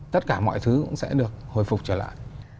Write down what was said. tất cả mọi thứ cũng sẽ được hồi phục trở lại